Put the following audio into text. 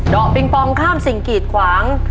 ปิงปองข้ามสิ่งกีดขวาง